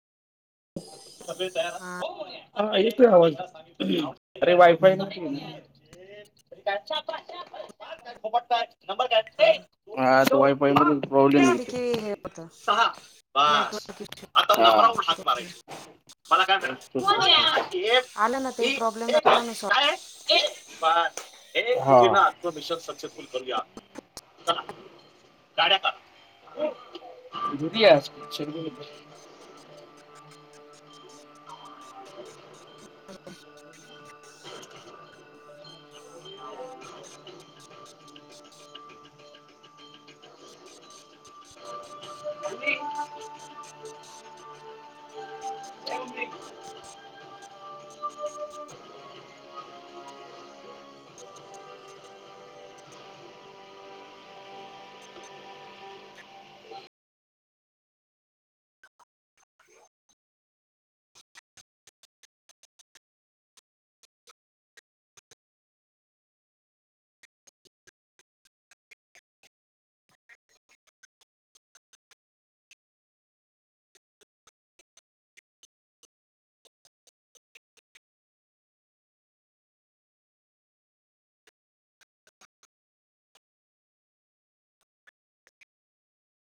सगळी तयार आहात? हो या. हा येतोय आवाज अरे वायफाय [inaudible] [unintelligible] असली की हे होत नेटवर्क इशू [unintelligible] मला काय [inaudible] [unintelligible] मिशन सक्सेसफुल करूया. चला. [unintelligible] [inaudible] रिकामा ऑडिओ रिकामा ऑडिओ रिकामा ऑडिओ [inaudible]